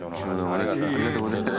ありがとうございます。